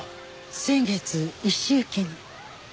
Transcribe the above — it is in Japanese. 先月一周忌に。